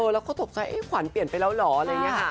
แล้วเขาตกใจโดยมีเปลี่ยนไปเหรอ